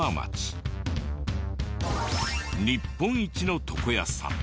日本一の床屋さん。